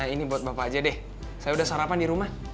ini buat bapak aja deh saya udah sarapan di rumah